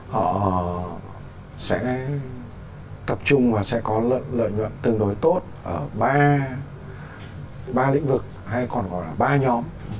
họ sẽ tập trung và sẽ có lợi nhuận tương đối tốt ở ba lĩnh vực hay còn gọi là ba nhóm